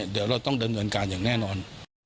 เดี๋ยวเราต้องดำเนินการอย่างแน่นอน